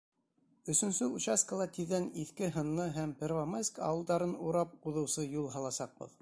Өсөнсө участкала тиҙҙән Иҫке Һынны һәм Первомайск ауылдарын урап уҙыусы юл һаласаҡбыҙ.